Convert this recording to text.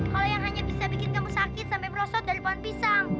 kalau yang hanya bisa bikin kamu sakit sampai merosot dari pohon pisang